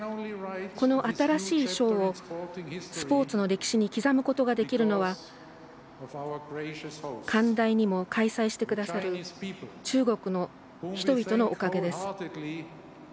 この新しい章をスポーツの歴史に刻むことができるのは寛大にも開催してくださる中国の人々のおかげです。